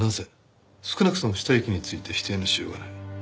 少なくとも死体遺棄について否定のしようがない。